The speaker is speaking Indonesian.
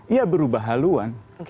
ia berubah haluan